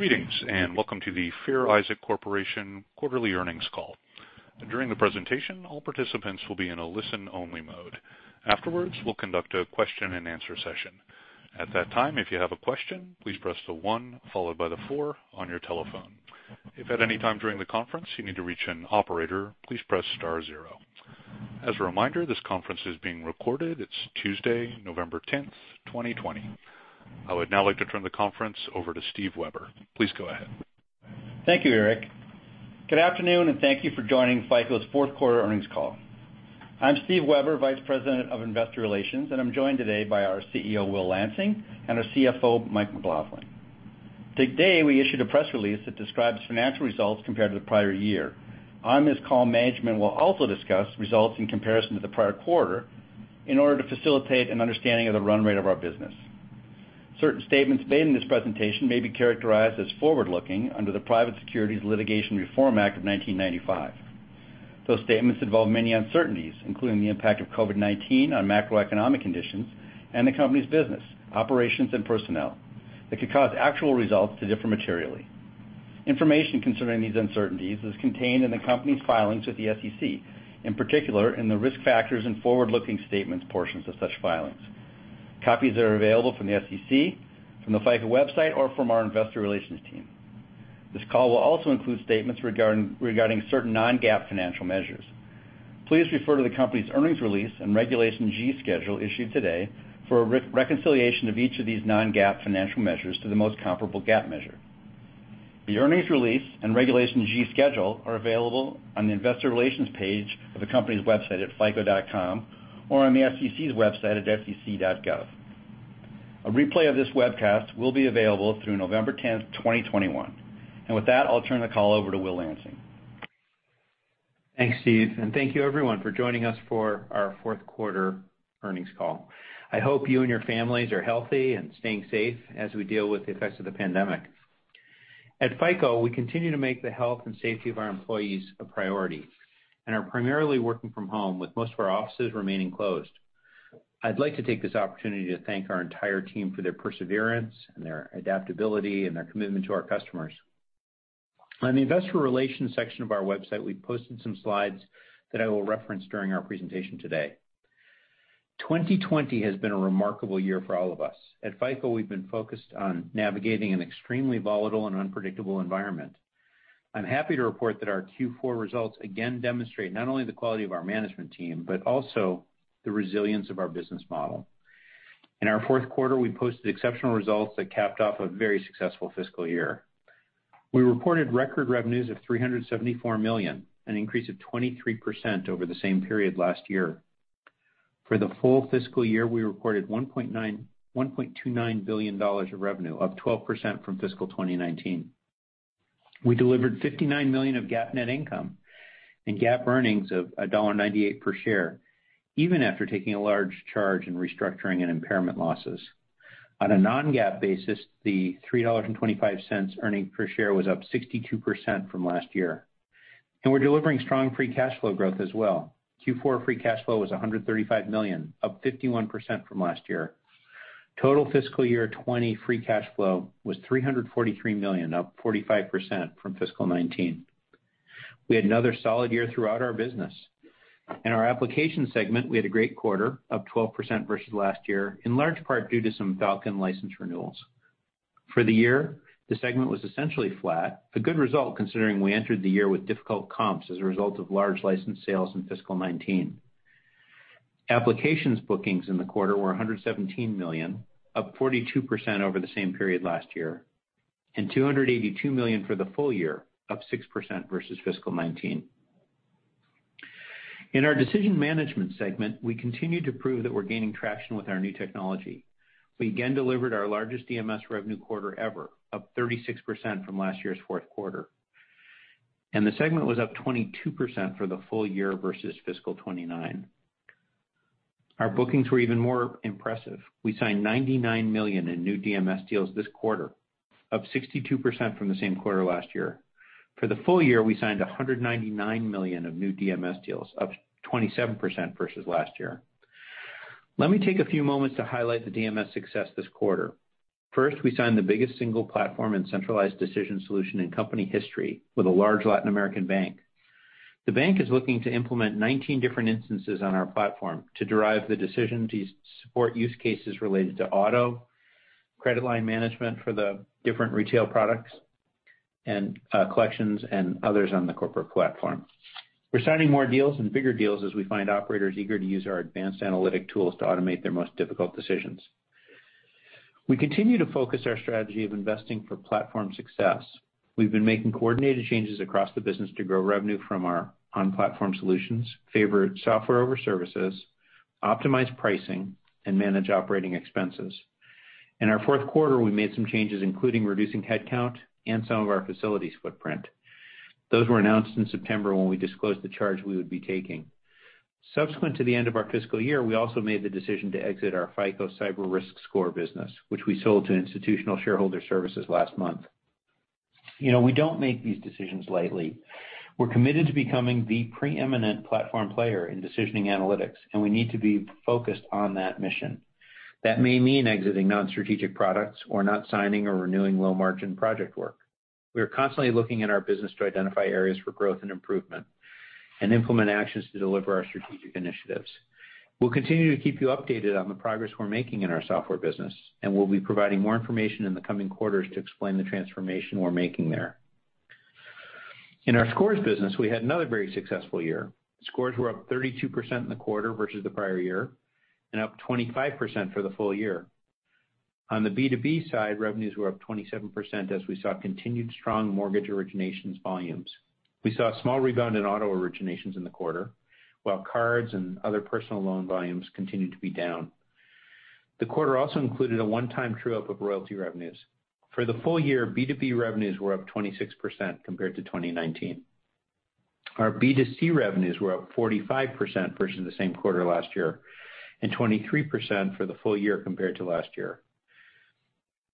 Greetings, welcome to the Fair Isaac Corporation quarterly earnings call. During the presentation, all participants will be in a listen-only mode. Afterwards, we'll conduct a question and answer session. At that time, if you have a question, please press the one followed by the four on your telephone. If at any time during the conference you need to reach an operator, please press star zero. As a reminder, this conference is being recorded. It's Tuesday, November 10th, 2020. I would now like to turn the conference over to Steve Weber. Please go ahead. Thank you, Eric. Good afternoon, and thank you for joining FICO's fourth quarter earnings call. I'm Steve Weber, Vice President of Investor Relations, and I'm joined today by our CEO, Will Lansing, and our CFO, Mike McLaughlin. Today, we issued a press release that describes financial results compared to the prior year. On this call, management will also discuss results in comparison to the prior quarter in order to facilitate an understanding of the run rate of our business. Certain statements made in this presentation may be characterized as forward-looking under the Private Securities Litigation Reform Act of 1995. Those statements involve many uncertainties, including the impact of COVID-19 on macroeconomic conditions and the company's business, operations, and personnel, that could cause actual results to differ materially. Information considering these uncertainties is contained in the company's filings with the SEC, in particular in the Risk Factors and Forward-Looking Statements portions of such filings. Copies are available from the SEC, from the FICO website, or from our investor relations team. This call will also include statements regarding certain non-GAAP financial measures. Please refer to the company's earnings release and Regulation G schedule issued today for a reconciliation of each of these non-GAAP financial measures to the most comparable GAAP measure. The earnings release and Regulation G schedule are available on the investor relations page of the company's website at fico.com or on the SEC's website at sec.gov. A replay of this webcast will be available through November 10th, 2021. With that, I'll turn the call over to Will Lansing. Thanks, Steve, and thank you everyone for joining us for our fourth quarter earnings call. I hope you and your families are healthy and staying safe as we deal with the effects of the pandemic. At FICO, we continue to make the health and safety of our employees a priority and are primarily working from home, with most of our offices remaining closed. I'd like to take this opportunity to thank our entire team for their perseverance and their adaptability and their commitment to our customers. On the investor relations section of our website, we've posted some slides that I will reference during our presentation today. 2020 has been a remarkable year for all of us. At FICO, we've been focused on navigating an extremely volatile and unpredictable environment. I'm happy to report that our Q4 results again demonstrate not only the quality of our management team, but also the resilience of our business model. In our fourth quarter, we posted exceptional results that capped off a very successful fiscal year. We reported record revenues of $374 million, an increase of 23% over the same period last year. For the full fiscal year, we reported $1.29 billion of revenue, up 12% from fiscal 2019. We delivered $59 million of GAAP net income and GAAP earnings of $1.98 per share, even after taking a large charge in restructuring and impairment losses. On a non-GAAP basis, the $3.25 earning per share was up 62% from last year. We're delivering strong free cash flow growth as well. Q4 free cash flow was $135 million, up 51% from last year. Total fiscal year 2020 free cash flow was $343 million, up 45% from fiscal 2019. We had another solid year throughout our business. In our Applications segment, we had a great quarter, up 12% versus last year, in large part due to some Falcon license renewals. For the year, the segment was essentially flat, a good result considering we entered the year with difficult comps as a result of large license sales in fiscal 2019. Applications bookings in the quarter were $117 million, up 42% over the same period last year, and $282 million for the full year, up 6% versus fiscal 2019. In our Decision Management segment, we continue to prove that we're gaining traction with our new technology. We again delivered our largest DMS revenue quarter ever, up 36% from last year's fourth quarter. The segment was up 22% for the full year versus fiscal 2019. Our bookings were even more impressive. We signed $99 million in new DMS deals this quarter, up 62% from the same quarter last year. For the full year, we signed $199 million of new DMS deals, up 27% versus last year. Let me take a few moments to highlight the DMS success this quarter. First, we signed the biggest single platform and centralized decision solution in company history with a large Latin American bank. The bank is looking to implement 19 different instances on our platform to derive the decision to support use cases related to auto, credit line management for the different retail products, and collections and others on the corporate platform. We're signing more deals and bigger deals as we find operators eager to use our advanced analytic tools to automate their most difficult decisions. We continue to focus our strategy of investing for platform success. We've been making coordinated changes across the business to grow revenue from our on-platform solutions, favor software over services, optimize pricing, and manage operating expenses. In our fourth quarter, we made some changes, including reducing headcount and some of our facilities footprint. Those were announced in September when we disclosed the charge we would be taking. Subsequent to the end of our fiscal year, we also made the decision to exit our FICO Cyber Risk Score business, which we sold to Institutional Shareholder Services last month. We don't make these decisions lightly. We're committed to becoming the preeminent platform player in decisioning analytics, and we need to be focused on that mission. That may mean exiting non-strategic products or not signing or renewing low-margin project work. We are constantly looking at our business to identify areas for growth and improvement and implement actions to deliver our strategic initiatives. We'll continue to keep you updated on the progress we're making in our software business, and we'll be providing more information in the coming quarters to explain the transformation we're making there. In our Scores business, we had another very successful year. Scores were up 32% in the quarter versus the prior year, and up 25% for the full year. On the B2B side, revenues were up 27% as we saw continued strong mortgage originations volumes. We saw a small rebound in auto originations in the quarter, while cards and other personal loan volumes continued to be down. The quarter also included a one-time true-up of royalty revenues. For the full year, B2B revenues were up 26% compared to 2019. Our B2C revenues were up 45% versus the same quarter last year, and 23% for the full year compared to last year.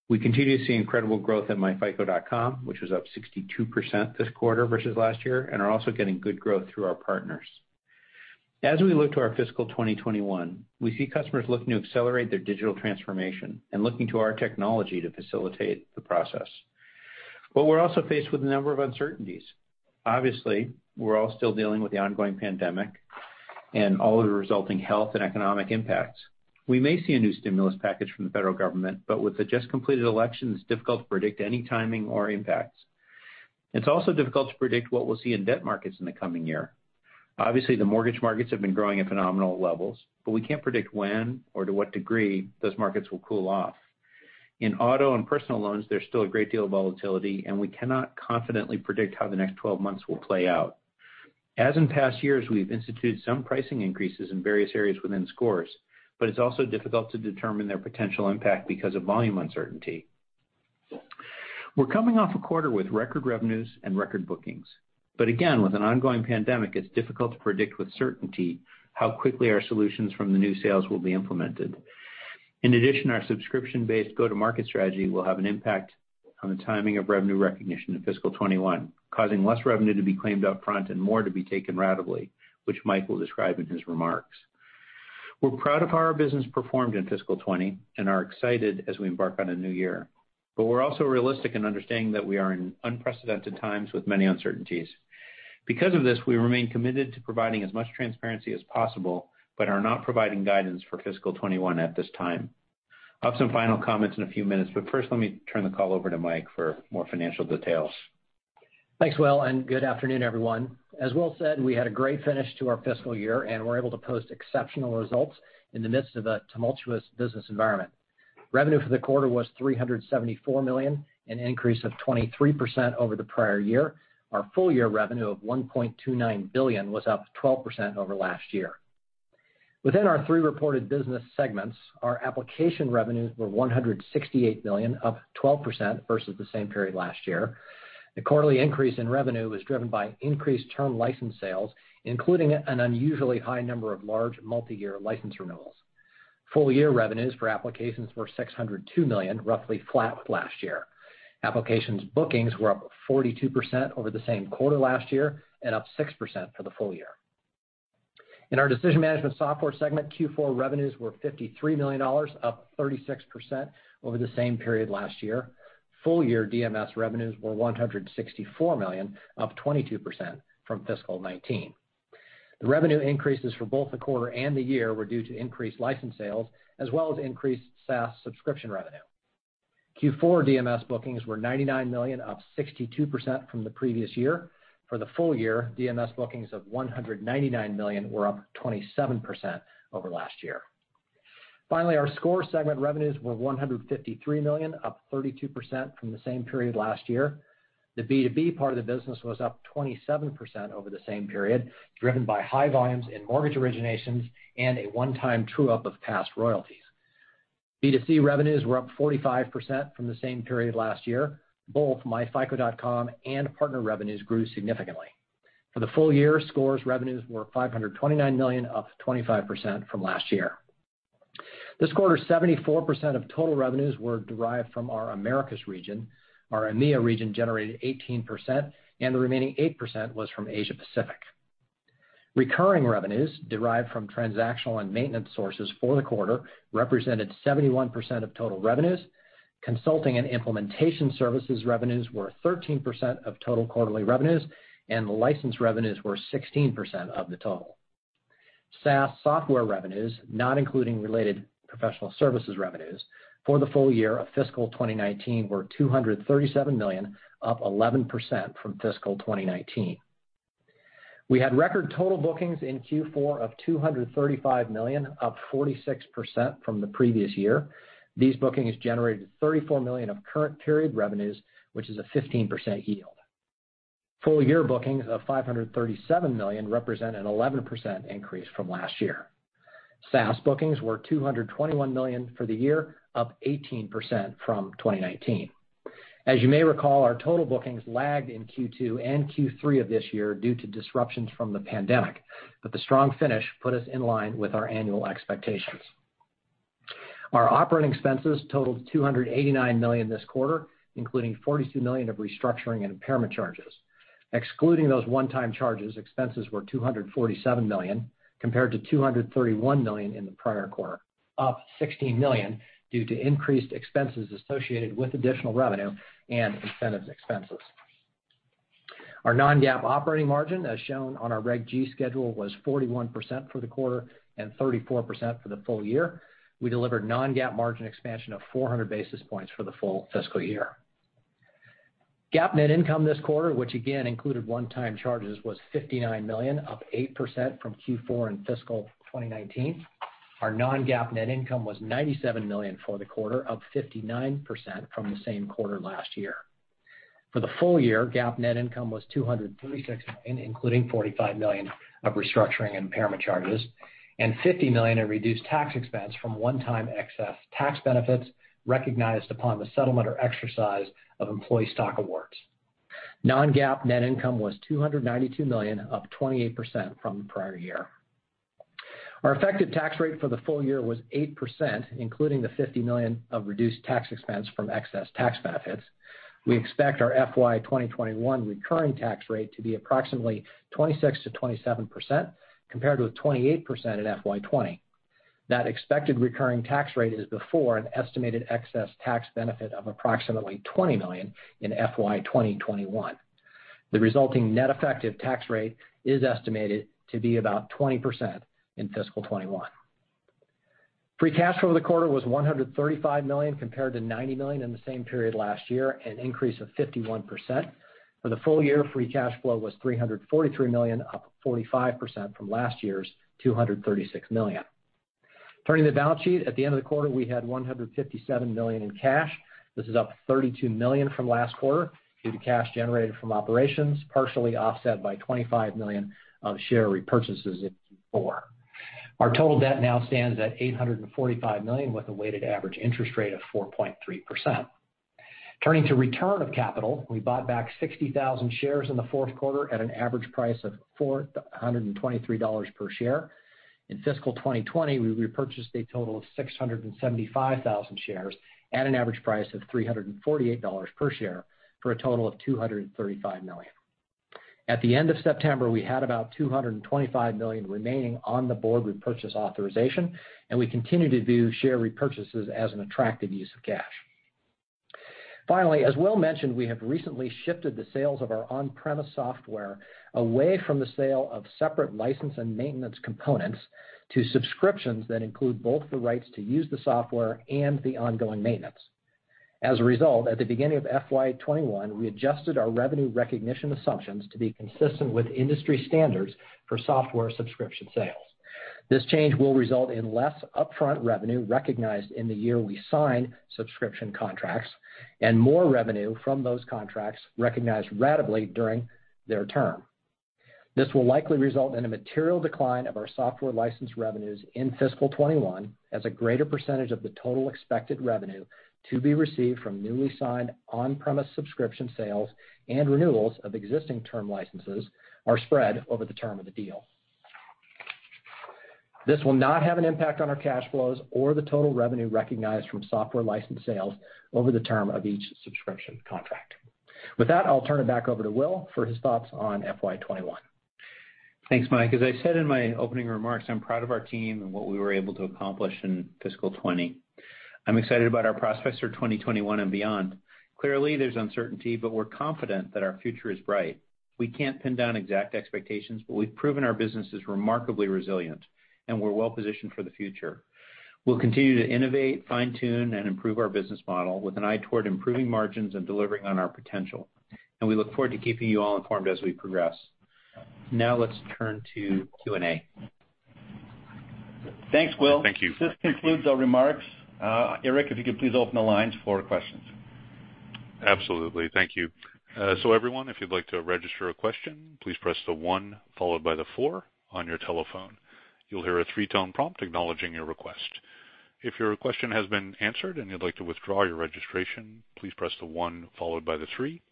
We continue to see incredible growth at myFICO.com, which was up 62% this quarter versus last year, and are also getting good growth through our partners. We look to our fiscal 2021, we see customers looking to accelerate their digital transformation and looking to our technology to facilitate the process. We're also faced with a number of uncertainties. Obviously, we're all still dealing with the ongoing pandemic and all of the resulting health and economic impacts. We may see a new stimulus package from the federal government, but with the just completed elections, it's difficult to predict any timing or impacts. It's also difficult to predict what we'll see in debt markets in the coming year. Obviously, the mortgage markets have been growing at phenomenal levels, but we can't predict when or to what degree those markets will cool off. In auto and personal loans, there's still a great deal of volatility, and we cannot confidently predict how the next 12 months will play out. As in past years, we've instituted some pricing increases in various areas within Scores, it's also difficult to determine their potential impact because of volume uncertainty. We're coming off a quarter with record revenues and record bookings. Again, with an ongoing pandemic, it's difficult to predict with certainty how quickly our solutions from the new sales will be implemented. In addition, our subscription-based go-to-market strategy will have an impact on the timing of revenue recognition in fiscal 2021, causing less revenue to be claimed up front and more to be taken ratably, which Mike will describe in his remarks. We're proud of how our business performed in fiscal 2020 and are excited as we embark on a new year. We're also realistic in understanding that we are in unprecedented times with many uncertainties. Because of this, we remain committed to providing as much transparency as possible, but are not providing guidance for fiscal 2021 at this time. I'll have some final comments in a few minutes, but first, let me turn the call over to Mike for more financial details. Thanks, Will. Good afternoon, everyone. As Will said, we had a great finish to our fiscal year, and were able to post exceptional results in the midst of a tumultuous business environment. Revenue for the quarter was $374 million, an increase of 23% over the prior year. Our full year revenue of $1.29 billion was up 12% over last year. Within our three reported business segments, our Applications revenues were $168 million, up 12% versus the same period last year. The quarterly increase in revenue was driven by increased term license sales, including an unusually high number of large multi-year license renewals. Full year revenues for Applications were $602 million, roughly flat with last year. Applications bookings were up 42% over the same quarter last year and up 6% for the full year. In our Decision Management Software segment, Q4 revenues were $53 million, up 36% over the same period last year. Full year DMS revenues were $164 million, up 22% from fiscal 2019. The revenue increases for both the quarter and the year were due to increased license sales as well as increased SaaS subscription revenue. Q4 DMS bookings were $99 million, up 62% from the previous year. For the full year, DMS bookings of $199 million were up 27% over last year. Finally, our Scores segment revenues were $153 million, up 32% from the same period last year. The B2B part of the business was up 27% over the same period, driven by high volumes in mortgage originations and a one-time true-up of past royalties. B2C revenues were up 45% from the same period last year. Both myFICO.com and partner revenues grew significantly. For the full year, Scores revenues were $529 million, up 25% from last year. This quarter, 74% of total revenues were derived from our Americas region, our EMEA region generated 18%, and the remaining 8% was from Asia-Pacific. Recurring revenues, derived from transactional and maintenance sources for the quarter, represented 71% of total revenues. Consulting and implementation services revenues were 13% of total quarterly revenues. License revenues were 16% of the total. SaaS software revenues, not including related professional services revenues, for the full year of fiscal 2019 were $237 million, up 11% from fiscal 2019. We had record total bookings in Q4 of $235 million, up 46% from the previous year. These bookings generated $34 million of current period revenues, which is a 15% yield. Full year bookings of $537 million represent an 11% increase from last year. SaaS bookings were $221 million for the year, up 18% from 2019. As you may recall, our total bookings lagged in Q2 and Q3 of this year due to disruptions from the pandemic. The strong finish put us in line with our annual expectations. Our operating expenses totaled $289 million this quarter, including $42 million of restructuring and impairment charges. Excluding those one-time charges, expenses were $247 million compared to $231 million in the prior quarter, up $16 million due to increased expenses associated with additional revenue and incentive expenses. Our non-GAAP operating margin, as shown on our Reg G schedule, was 41% for the quarter and 34% for the full year. We delivered non-GAAP margin expansion of 400 basis points for the full fiscal year. GAAP net income this quarter, which again included one-time charges, was $59 million, up 8% from Q4 in fiscal 2020. Our non-GAAP net income was $97 million for the quarter, up 59% from the same quarter last year. For the full year, GAAP net income was $236 million, including $45 million of restructuring impairment charges and $50 million in reduced tax expense from one-time excess tax benefits recognized upon the settlement or exercise of employee stock awards. Non-GAAP net income was $292 million, up 28% from the prior year. Our effective tax rate for the full year was 8%, including the $50 million of reduced tax expense from excess tax benefits. We expect our FY 2021 recurring tax rate to be approximately 26%-27%, compared with 28% at FY 2020. That expected recurring tax rate is before an estimated excess tax benefit of approximately $20 million in FY 2021. The resulting net effective tax rate is estimated to be about 20% in fiscal 2021. Free cash flow for the quarter was $135 million, compared to $90 million in the same period last year, an increase of 51%. For the full year, free cash flow was $343 million, up 45% from last year's $236 million. Turning to the balance sheet, at the end of the quarter, we had $157 million in cash. This is up $32 million from last quarter due to cash generated from operations, partially offset by $25 million of share repurchases in Q4. Our total debt now stands at $845 million with a weighted average interest rate of 4.3%. Turning to return of capital, we bought back 60,000 shares in the fourth quarter at an average price of $423 per share. In fiscal 2020, we repurchased a total of 675,000 shares at an average price of $348 per share for a total of $235 million. At the end of September, we had about $225 million remaining on the board repurchase authorization. We continue to view share repurchases as an attractive use of cash. Finally, as Will mentioned, we have recently shifted the sales of our on-premise software away from the sale of separate license and maintenance components to subscriptions that include both the rights to use the software and the ongoing maintenance. As a result, at the beginning of FY 2021, we adjusted our revenue recognition assumptions to be consistent with industry standards for software subscription sales. This change will result in less upfront revenue recognized in the year we sign subscription contracts and more revenue from those contracts recognized ratably during their term. This will likely result in a material decline of our software license revenues in fiscal 2021, as a greater percentage of the total expected revenue to be received from newly signed on-premise subscription sales and renewals of existing term licenses are spread over the term of the deal. This will not have an impact on our cash flows or the total revenue recognized from software license sales over the term of each subscription contract. With that, I'll turn it back over to Will for his thoughts on FY 2021. Thanks, Mike. As I said in my opening remarks, I'm proud of our team and what we were able to accomplish in fiscal 2020. I'm excited about our prospects for 2021 and beyond. Clearly, there's uncertainty, but we're confident that our future is bright. We can't pin down exact expectations, but we've proven our business is remarkably resilient, and we're well-positioned for the future. We'll continue to innovate, fine-tune, and improve our business model with an eye toward improving margins and delivering on our potential. We look forward to keeping you all informed as we progress. Now let's turn to Q&A. Thanks, Will. Thank you. This concludes our remarks. Eric, if you could please open the lines for questions. Absolutely. Thank you. Everyone, if you'd like to register a question, please press the one followed by the four on your telephone. You'll hear a three-tone prompt acknowledging your request. If your question has been answered and you'd like to withdraw your registration, please press the one followed by the three.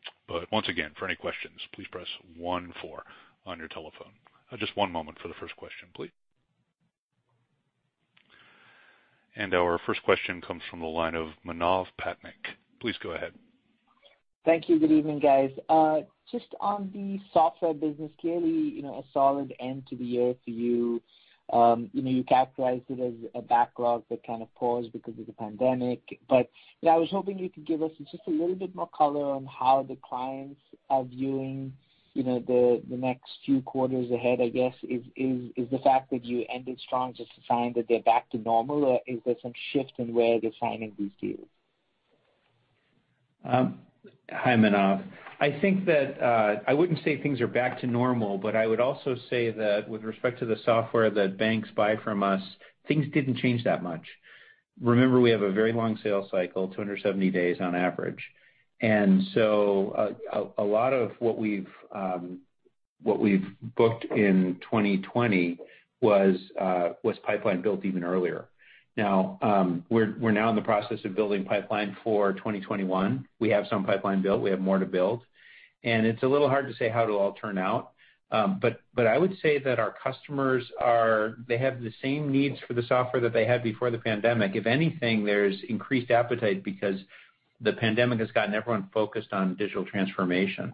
Once again, for any questions, please press one, four on your telephone. Just one moment for the first question, please. Our first question comes from the line of Manav Patnaik. Please go ahead. Thank you. Good evening, guys. Just on the software business, clearly a solid end to the year for you. You characterized it as a backlog but kind of paused because of the pandemic. I was hoping you could give us just a little bit more color on how the clients are viewing the next few quarters ahead, I guess. Is the fact that you ended strong just a sign that they're back to normal, or is there some shift in where they're signing these deals? Hi, Manav. I think that I wouldn't say things are back to normal, but I would also say that with respect to the software that banks buy from us, things didn't change that much. Remember, we have a very long sales cycle, 270 days on average. A lot of what we've booked in 2020 was pipeline built even earlier. We're now in the process of building pipeline for 2021. We have some pipeline built. We have more to build. It's a little hard to say how it'll all turn out. I would say that our customers have the same needs for the software that they had before the pandemic. If anything, there's increased appetite because the pandemic has gotten everyone focused on digital transformation,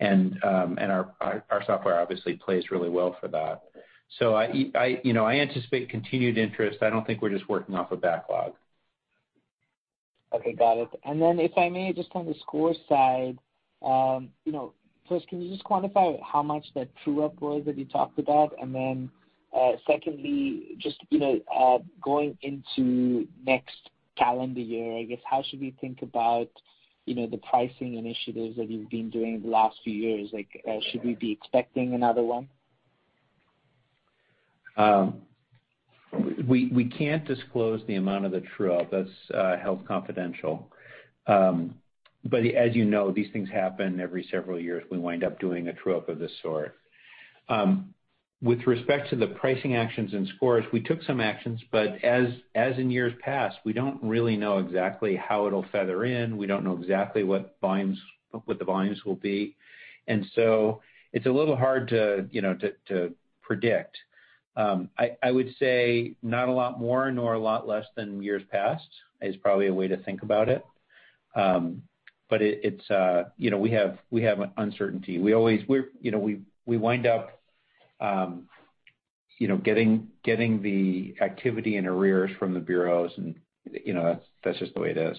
and our software obviously plays really well for that. I anticipate continued interest. I don't think we're just working off a backlog. Okay, got it. If I may, just on the score side, first can you just quantify how much that true-up was that you talked about? Secondly, just going into next calendar year, I guess, how should we think about the pricing initiatives that you've been doing the last few years? Like, should we be expecting another one? We can't disclose the amount of the true-up. That's held confidential. As you know, these things happen every several years. We wind up doing a true-up of this sort. With respect to the pricing actions in scores, we took some actions, but as in years past, we don't really know exactly how it'll feather in. We don't know exactly what the volumes will be. It's a little hard to predict. I would say not a lot more nor a lot less than years past is probably a way to think about it. We have uncertainty. We wind up getting the activity in arrears from the bureaus, and that's just the way it is.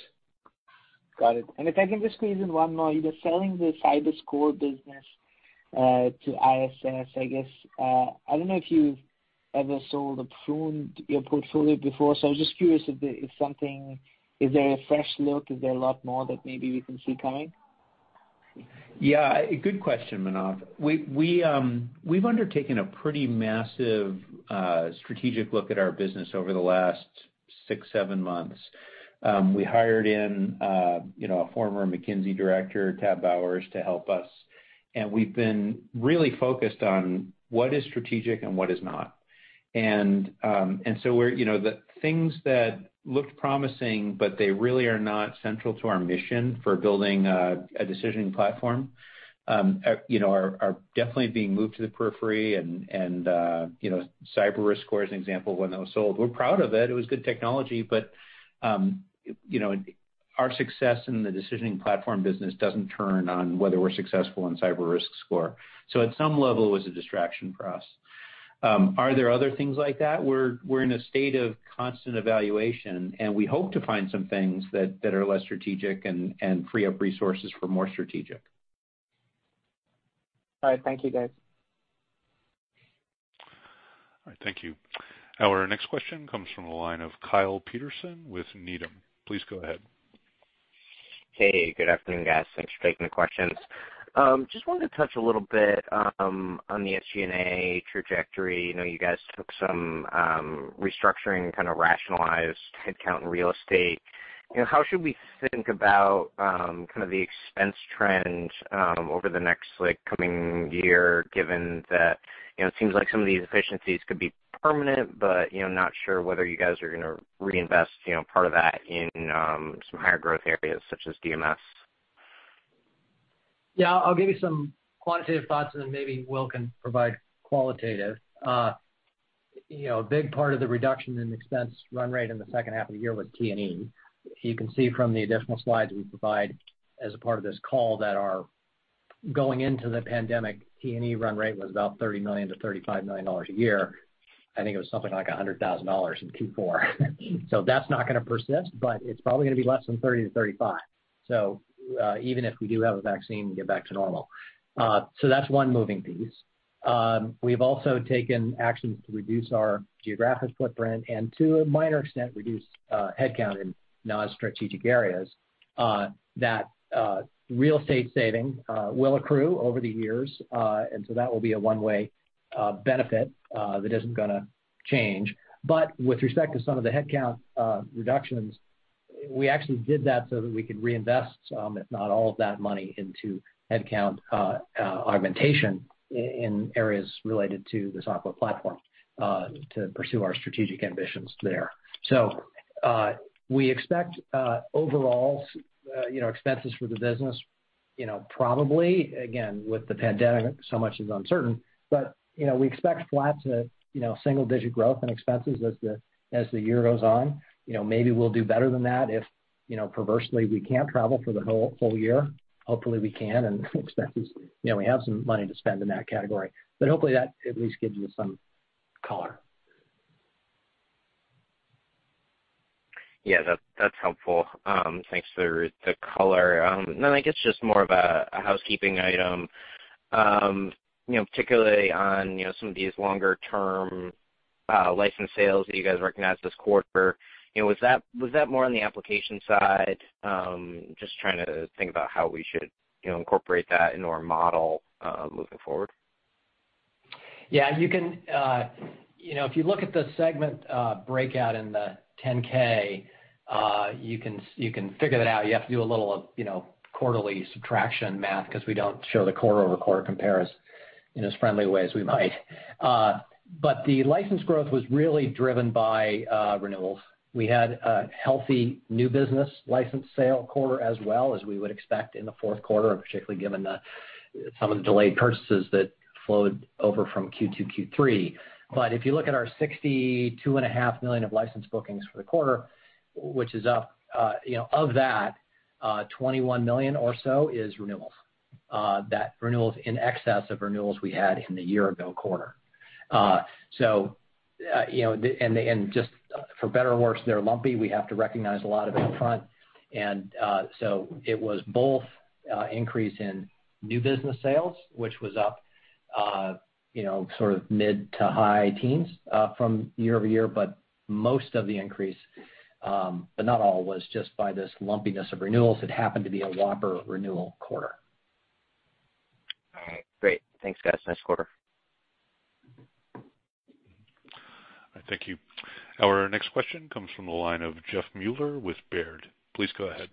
Got it. If I can just squeeze in one more, you were selling the Cyber Score business to ISS, I guess. I don't know if you've ever sold or pruned your portfolio before, I was just curious if there is a fresh look, is there a lot more that maybe we can see coming? Yeah. Good question, Manav. We've undertaken a pretty massive strategic look at our business over the last six, seven months. We hired in a former McKinsey director, Tab Bowers, to help us, and we've been really focused on what is strategic and what is not. The things that looked promising, but they really are not central to our mission for building a decisioning platform are definitely being moved to the periphery and Cyber Risk Score is an example of one that was sold. We're proud of it. It was good technology, but our success in the decisioning platform business doesn't turn on whether we're successful in Cyber Risk Score. At some level, it was a distraction for us. Are there other things like that? We're in a state of constant evaluation, and we hope to find some things that are less strategic and free up resources for more strategic. All right. Thank you, guys. All right. Thank you. Our next question comes from the line of Kyle Peterson with Needham. Please go ahead. Hey, good afternoon, guys. Thanks for taking the questions. Wanted to touch a little bit on the SG&A trajectory. I know you guys took some restructuring, kind of rationalized headcount and real estate. How should we think about the expense trend over the next coming year, given that it seems like some of these efficiencies could be permanent, but I'm not sure whether you guys are going to reinvest part of that in some higher growth areas such as DMS. Yeah, I'll give you some quantitative thoughts and then maybe Will can provide qualitative. A big part of the reduction in expense run rate in the second half of the year was T&E. You can see from the additional slides we provide as a part of this call that our going into the pandemic T&E run rate was about $30 million to $35 million a year. I think it was something like $100,000 in Q4. That's not going to persist, but it's probably going to be less than $30 million-$35 million, even if we do have a vaccine and get back to normal. That's one moving piece. We've also taken actions to reduce our geographic footprint and to a minor extent, reduce headcount in non-strategic areas. That real estate saving will accrue over the years. That will be a one-way benefit that isn't going to change. With respect to some of the headcount reductions, we actually did that so that we could reinvest some, if not all of that money into headcount augmentation in areas related to the software platform to pursue our strategic ambitions there. We expect overall expenses for the business probably, again, with the pandemic, so much is uncertain, but we expect flat to single digit growth in expenses as the year goes on. Maybe we'll do better than that if perversely we can't travel for the whole year. Hopefully we can and we have some money to spend in that category. Hopefully that at least gives you some color. Yeah, that's helpful. Thanks for the color. I guess just more of a housekeeping item, particularly on some of these longer-term license sales that you guys recognized this quarter. Was that more on the application side? Just trying to think about how we should incorporate that into our model moving forward. Yeah. If you look at the segment breakout in the 10-K, you can figure that out. You have to do a little quarterly subtraction math because we don't show the quarter-over-quarter comparison in as friendly a way as we might. The license growth was really driven by renewals. We had a healthy new business license sale quarter as well as we would expect in the fourth quarter. Some of the delayed purchases that flowed over from Q2, Q3. If you look at our $62.5 million of license bookings for the quarter, which is up. Of that, $21 million or so is renewals. That renewal is in excess of renewals we had in the year-ago quarter. Just for better or worse, they're lumpy. We have to recognize a lot of it upfront. It was both increase in new business sales, which was up mid to high teens from year-over-year, but most of the increase, but not all, was just by this lumpiness of renewals. It happened to be a whopper renewal quarter. All right. Great. Thanks, guys. Nice quarter. Thank you. Our next question comes from the line of Jeff Meuler with Baird. Please go ahead.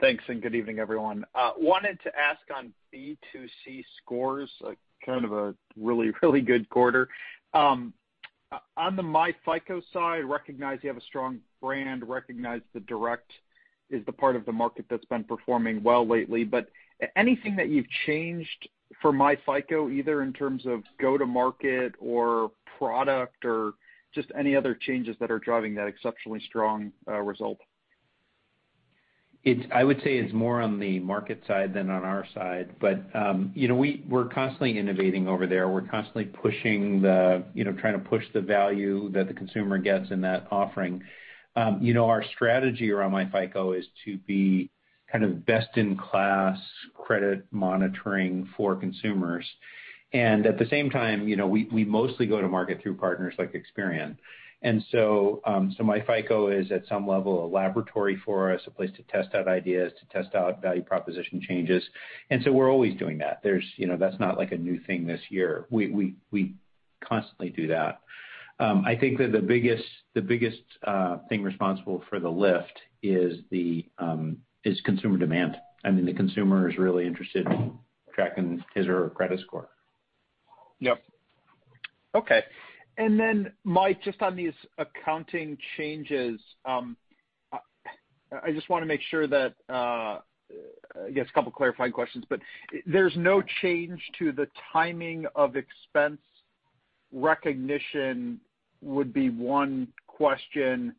Thanks, and good evening, everyone. Wanted to ask on B2C scores, kind of a really, really good quarter. On the myFICO side, recognize you have a strong brand, recognize the direct is the part of the market that's been performing well lately. Anything that you've changed for myFICO, either in terms of go to market or product or just any other changes that are driving that exceptionally strong result? I would say it's more on the market side than on our side. We're constantly innovating over there. We're constantly trying to push the value that the consumer gets in that offering. Our strategy around myFICO is to be kind of best-in-class credit monitoring for consumers. At the same time, we mostly go to market through partners like Experian. myFICO is at some level, a laboratory for us, a place to test out ideas, to test out value proposition changes. We're always doing that. That's not like a new thing this year. We constantly do that. I think that the biggest thing responsible for the lift is consumer demand. I mean, the consumer is really interested in tracking his or her credit score. Yep. Okay. Mike just on these accounting changes, I just want to make sure I guess a couple clarifying questions. There's no change to the timing of expense recognition would be one question.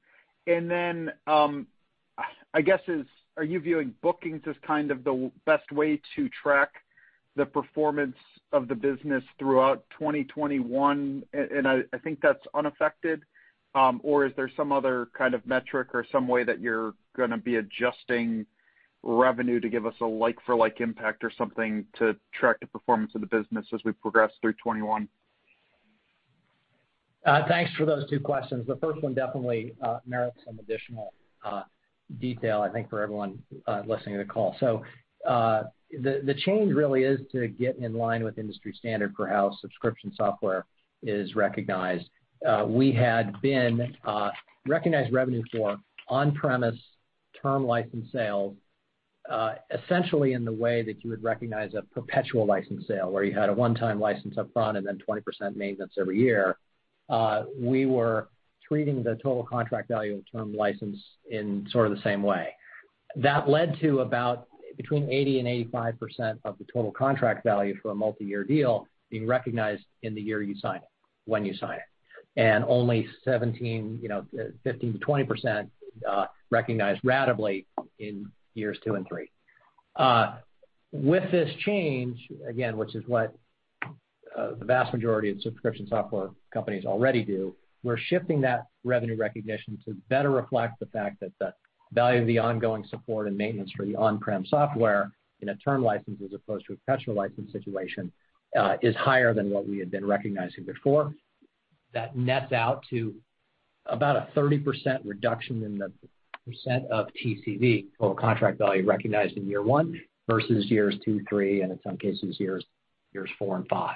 I guess is, are you viewing bookings as kind of the best way to track the performance of the business throughout 2021, I think that's unaffected? Or is there some other kind of metric or some way that you're going to be adjusting revenue to give us a like for like impact or something to track the performance of the business as we progress through 2021? Thanks for those two questions. The first one definitely merits some additional detail, I think, for everyone listening to the call. The change really is to get in line with industry standard for how subscription software is recognized. We had been recognized revenue for on-premise term license sales essentially in the way that you would recognize a perpetual license sale where you had a one-time license up front and then 20% maintenance every year. We were treating the total contract value of term license in sort of the same way. That led to about between 80%-85% of the total contract value for a multi-year deal being recognized in the year you sign it, when you sign it. Only 17%, 15%-20% recognized ratably in years two and three. With this change, again, which is what the vast majority of subscription software companies already do, we're shifting that revenue recognition to better reflect the fact that the value of the ongoing support and maintenance for the on-prem software in a term license as opposed to a perpetual license situation is higher than what we had been recognizing before. That nets out to about a 30% reduction in the percent of TCV, total contract value, recognized in year one versus years two, three, and in some cases, years four and five.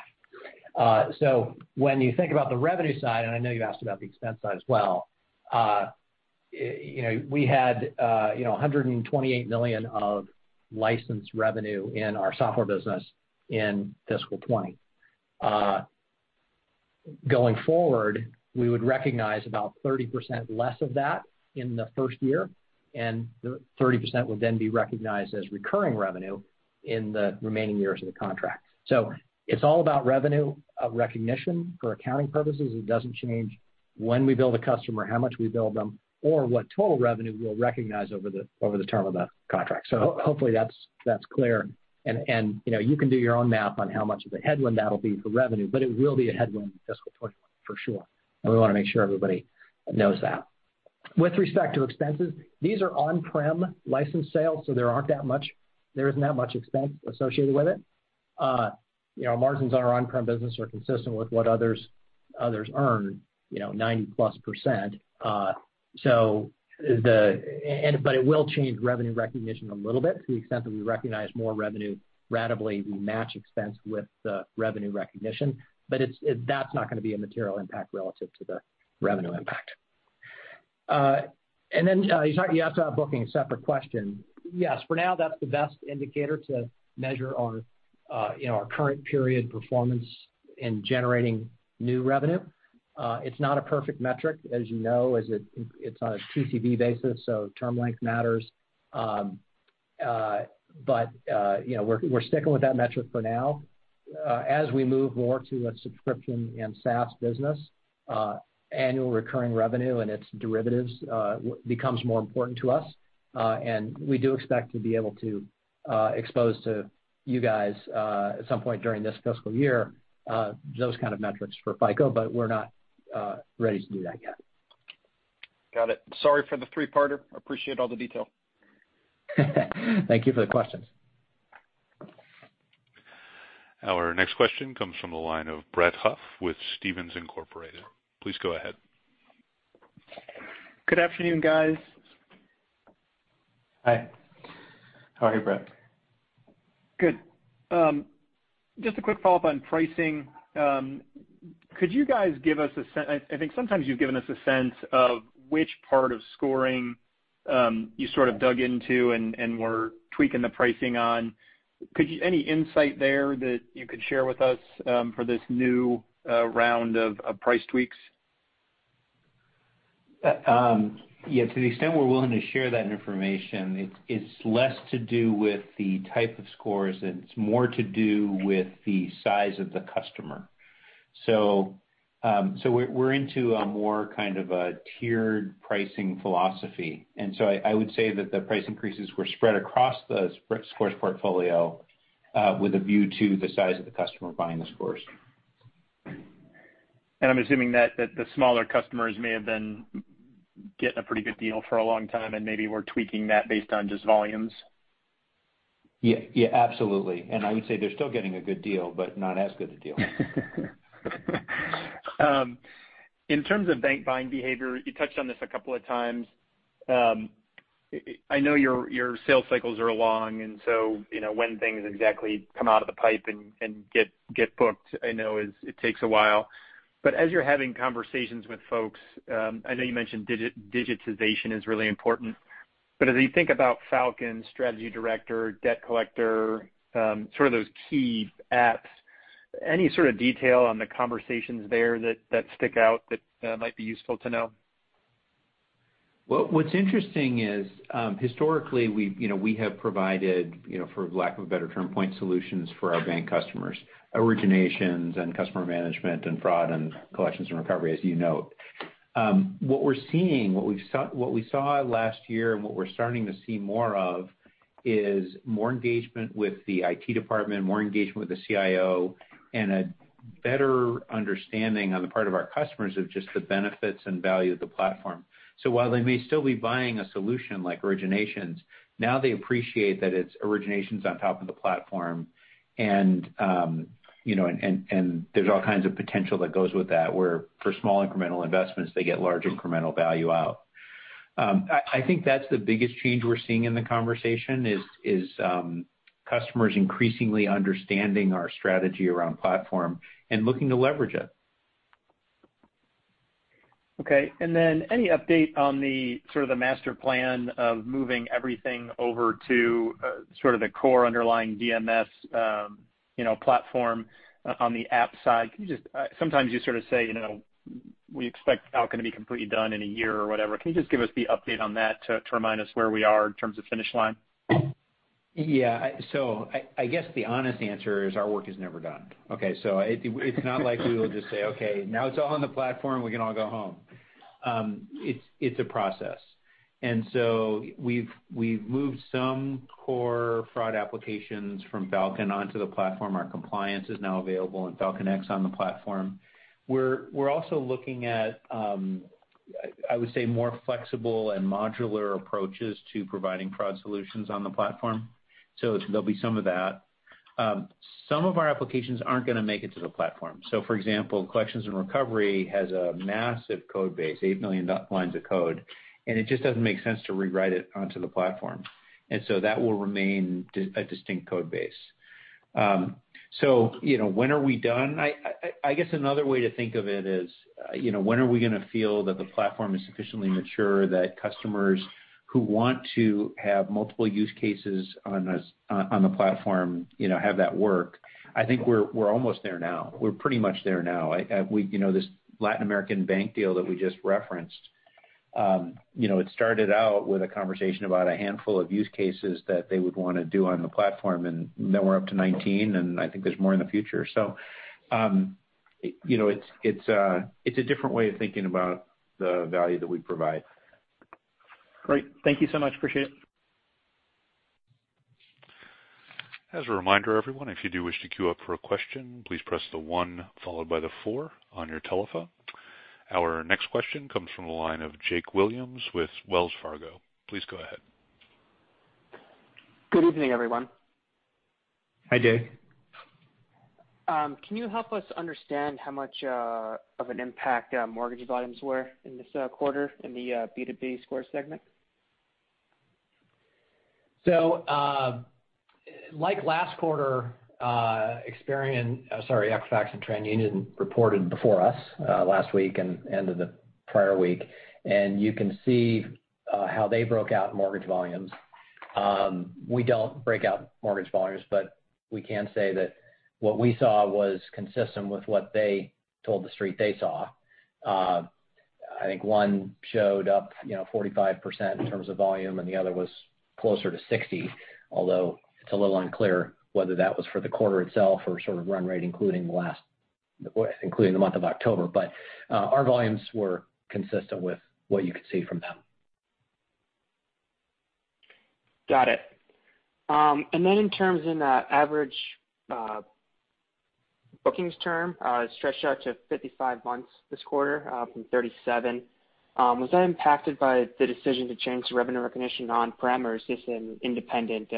When you think about the revenue side, and I know you asked about the expense side as well, we had $128 million of licensed revenue in our software business in fiscal 2020. Going forward, we would recognize about 30% less of that in the first year, and the 30% would then be recognized as recurring revenue in the remaining years of the contract. It's all about revenue recognition for accounting purposes. It doesn't change when we bill the customer, how much we bill them, or what total revenue we'll recognize over the term of the contract. Hopefully that's clear. You can do your own math on how much of a headwind that'll be for revenue, but it will be a headwind in fiscal 2021, for sure. We want to make sure everybody knows that. With respect to expenses, these are on-prem license sales, so there isn't that much expense associated with it. Our margins on our on-prem business are consistent with what others earn, 90%+. It will change revenue recognition a little bit to the extent that we recognize more revenue ratably, we match expense with the revenue recognition. That's not going to be a material impact relative to the revenue impact. Then you asked about booking, a separate question. Yes, for now, that's the best indicator to measure our current period performance in generating new revenue. It's not a perfect metric, as you know, as it's on a TCV basis, so term length matters. We're sticking with that metric for now. As we move more to a subscription and SaaS business, annual recurring revenue and its derivatives becomes more important to us. We do expect to be able to expose to you guys, at some point during this fiscal year, those kind of metrics for FICO, but we're not ready to do that yet. Got it. Sorry for the three-parter. Appreciate all the detail. Thank you for the question. Our next question comes from the line of Brett Huff with Stephens Incorporated. Please go ahead. Good afternoon, guys. Hi. How are you, Brett? Good. Just a quick follow-up on pricing. Could you guys give us a sense. I think sometimes you've given us a sense of which part of scoring you sort of dug into and were tweaking the pricing on. Any insight there that you could share with us for this new round of price tweaks? Yeah, to the extent we're willing to share that information, it's less to do with the type of Scores, and it's more to do with the size of the customer. We're into a more kind of a tiered pricing philosophy. I would say that the price increases were spread across the Scores portfolio with a view to the size of the customer buying the Scores. I'm assuming that the smaller customers may have been getting a pretty good deal for a long time, and maybe we're tweaking that based on just volumes. Yeah, absolutely. I would say they're still getting a good deal, but not as good a deal. In terms of bank buying behavior, you touched on this a couple of times. I know your sales cycles are long, when things exactly come out of the pipe and get booked, I know it takes a while. As you're having conversations with folks, I know you mentioned digitization is really important, but as you think about Falcon, Strategy Director, debt collector, sort of those key apps, any sort of detail on the conversations there that stick out that might be useful to know? What's interesting is, historically, we have provided, for lack of a better term, point solutions for our bank customers. Originations and customer management and fraud and collections and recovery, as you note. What we're seeing, what we saw last year and what we're starting to see more of, is more engagement with the IT department, more engagement with the CIO, and a better understanding on the part of our customers of just the benefits and value of the platform. While they may still be buying a solution like Originations, now they appreciate that it's Originations on top of the platform, and there's all kinds of potential that goes with that, where for small incremental investments, they get large incremental value out. I think that's the biggest change we're seeing in the conversation is customers increasingly understanding our strategy around platform and looking to leverage it. Okay, any update on the master plan of moving everything over to sort of the core underlying DMS platform on the app side? Sometimes you sort of say, "We expect Falcon to be completely done in a year," or whatever. Can you just give us the update on that to remind us where we are in terms of finish line? Yeah. I guess the honest answer is our work is never done. Okay, it's not like we will just say, "Okay, now it's all on the platform. We can all go home." It's a process. We've moved some core fraud applications from Falcon onto the platform. Our compliance is now available in Falcon X on the platform. We're also looking at, I would say, more flexible and modular approaches to providing fraud solutions on the platform. There'll be some of that. Some of our applications aren't going to make it to the platform. For example, collections and recovery has a massive code base, 8 million lines of code, and it just doesn't make sense to rewrite it onto the platform. That will remain a distinct code base. When are we done? I guess another way to think of it is, when are we going to feel that the platform is sufficiently mature, that customers who want to have multiple use cases on the platform have that work? I think we're almost there now. We're pretty much there now. This Latin American bank deal that we just referenced, it started out with a conversation about a handful of use cases that they would want to do on the platform, and now we're up to 19, and I think there's more in the future. It's a different way of thinking about the value that we provide. Great. Thank you so much. Appreciate it. As a reminder, everyone, if you do wish to queue up for a question, please press the one followed by the four on your telephone. Our next question comes from the line of Jake Williams with Wells Fargo. Please go ahead. Good evening, everyone. Hi, Jake. Can you help us understand how much of an impact mortgage volumes were in this quarter in the B2B score segment? Like last quarter, Equifax and TransUnion reported before us last week and end of the prior week, and you can see how they broke out mortgage volumes. We don't break out mortgage volumes, but we can say that what we saw was consistent with what they told the street they saw. I think one showed up 45% in terms of volume, and the other was closer to 60, although it's a little unclear whether that was for the quarter itself or sort of run rate, including the month of October. Our volumes were consistent with what you could see from them. Got it. Then in terms in the average bookings term stretched out to 55 months this quarter from 37. Was that impacted by the decision to change the revenue recognition on-prem, or is this an independent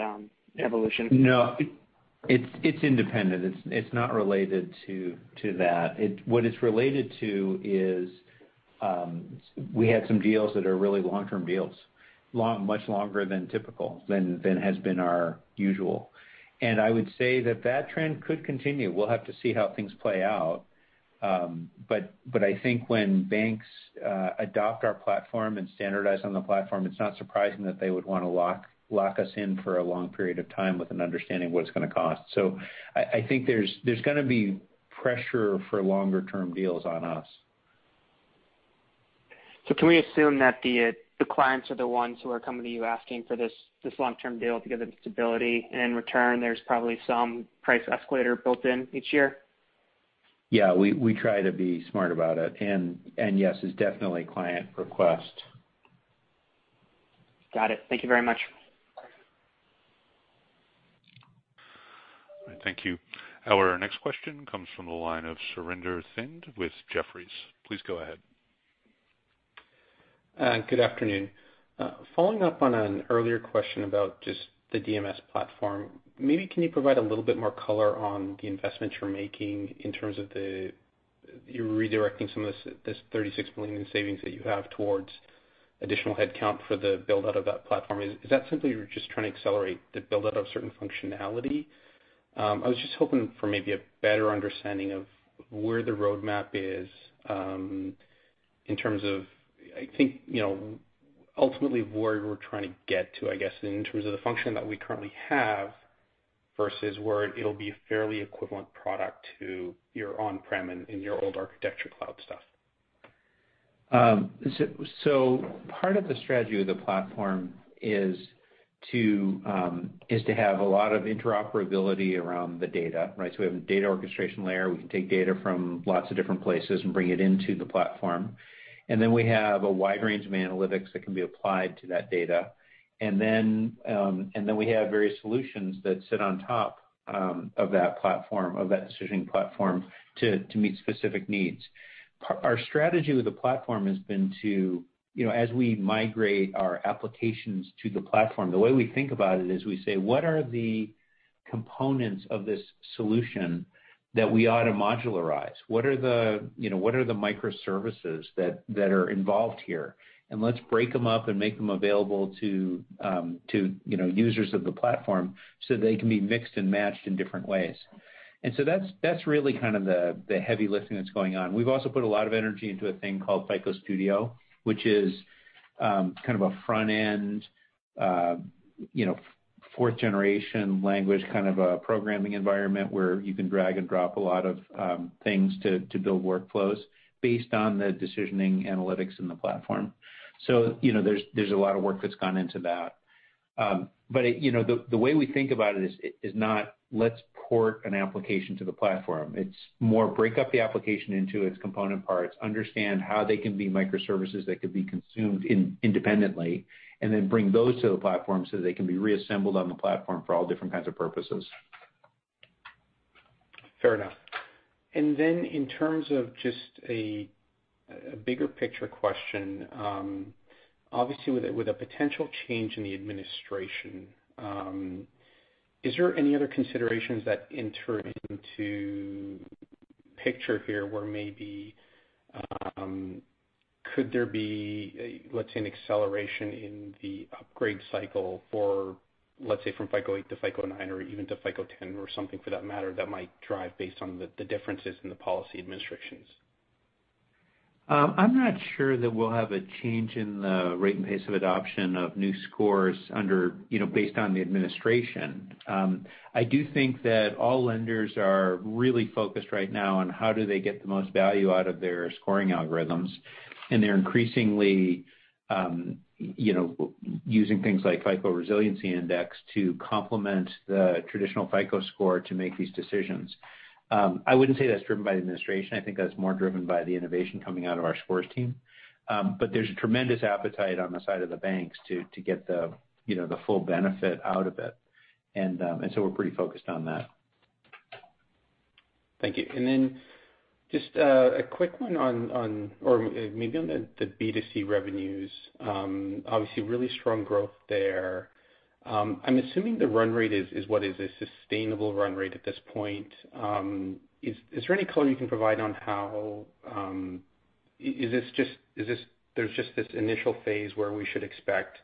evolution? No, it's independent. It's not related to that. What it's related to is we had some deals that are really long-term deals, much longer than typical, than has been our usual. I would say that trend could continue. We'll have to see how things play out. I think when banks adopt our platform and standardize on the platform, it's not surprising that they would want to lock us in for a long period of time with an understanding of what it's going to cost. I think there's going to be pressure for longer-term deals on us. Can we assume that the clients are the ones who are coming to you asking for this long-term deal to give them stability, and in return, there's probably some price escalator built in each year? Yeah, we try to be smart about it. Yes, it's definitely client request. Got it. Thank you very much. All right. Thank you. Our next question comes from the line of Surinder Thind with Jefferies. Please go ahead. Good afternoon. Following up on an earlier question about just the DMS platform, maybe can you provide a little bit more color on the investments you're making in terms of you redirecting some of this $36 million in savings that you have towards additional headcount for the build-out of that platform? Is that simply you're just trying to accelerate the build-out of certain functionality? I was just hoping for maybe a better understanding of where the roadmap is in terms of, I think, ultimately where we're trying to get to, I guess, in terms of the function that we currently have versus where it'll be a fairly equivalent product to your on-prem and in your old architecture cloud stuff. Part of the strategy of the platform is to have a lot of interoperability around the data, right? We have a data orchestration layer. We can take data from lots of different places and bring it into the platform. We have a wide range of analytics that can be applied to that data. We have various solutions that sit on top of that decisioning platform to meet specific needs. Our strategy with the platform has been to, as we migrate our applications to the platform, the way we think about it is we say, "What are the components of this solution that we ought to modularize? What are the microservices that are involved here? Let's break them up and make them available to users of the platform so they can be mixed and matched in different ways." That's really kind of the heavy lifting that's going on. We've also put a lot of energy into a thing called FICO Studio, which is kind of a front-end, fourth-generation language, kind of a programming environment where you can drag and drop a lot of things to build workflows based on the decisioning analytics in the platform. There's a lot of work that's gone into that. But the way we think about it is not, let's port an application to the platform. It's more break up the application into its component parts, understand how they can be microservices that could be consumed independently, and then bring those to the platform so they can be reassembled on the platform for all different kinds of purposes. Fair enough. In terms of just a bigger picture question, obviously with a potential change in the administration, is there any other considerations that enter into picture here where maybe could there be, let's say, an acceleration in the upgrade cycle for, let's say, from FICO 8 to FICO 9 or even to FICO 10 or something for that matter, that might drive based on the differences in the policy administrations? I'm not sure that we'll have a change in the rate and pace of adoption of new scores based on the administration. I do think that all lenders are really focused right now on how do they get the most value out of their scoring algorithms, and they're increasingly using things like FICO Resilience Index to complement the traditional FICO Score to make these decisions. I wouldn't say that's driven by the administration. I think that's more driven by the innovation coming out of our Scores team. There's a tremendous appetite on the side of the banks to get the full benefit out of it. We're pretty focused on that. Thank you. Just a quick one on, or maybe on the B2C revenues. Obviously, really strong growth there. I'm assuming the run rate is what is a sustainable run rate at this point. Is there any color you can provide on how there's just this initial phase where we should expect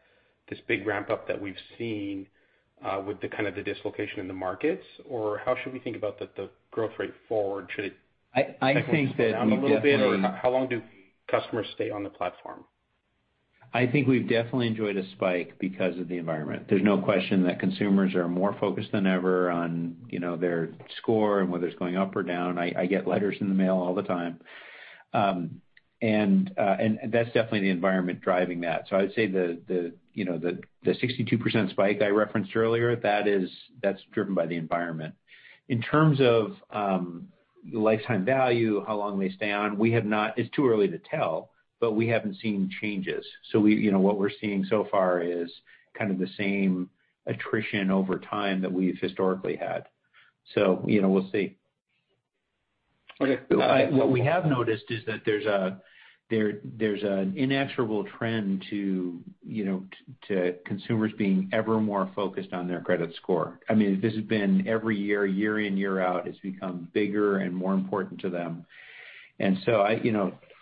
this big ramp-up that we've seen with the kind of the dislocation in the markets, or how should we think about the growth rate forward? I think that we— Come down a little bit, or how long do customers stay on the platform? I think we've definitely enjoyed a spike because of the environment. There's no question that consumers are more focused than ever on their score and whether it's going up or down. I get letters in the mail all the time. That's definitely the environment driving that. I would say the 62% spike I referenced earlier, that's driven by the environment. In terms of lifetime value, how long they stay on, it's too early to tell, but we haven't seen changes. What we're seeing so far is kind of the same attrition over time that we've historically had. We'll see. Okay. What we have noticed is that there's an inexorable trend to consumers being ever more focused on their credit score. This has been every year in, year out, it's become bigger and more important to them.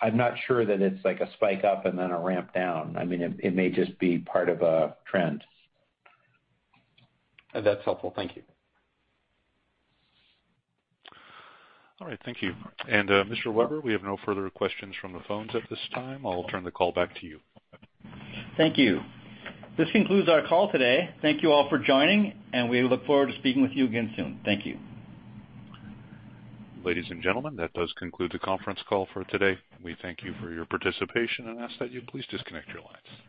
I'm not sure that it's like a spike up and then a ramp down. It may just be part of a trend. That's helpful. Thank you. All right. Thank you. Mr. Weber, we have no further questions from the phones at this time. I'll turn the call back to you. Thank you. This concludes our call today. Thank you all for joining, and we look forward to speaking with you again soon. Thank you. Ladies and gentlemen, that does conclude the conference call for today. We thank you for your participation and ask that you please disconnect your lines.